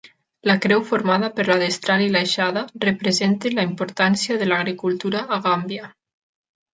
La creu formada per la destral i l'aixada representa la importància de l'agricultura a Gàmbia.